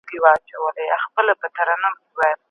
تاریخي اثار باید په امانتدارۍ سره وساتل سي.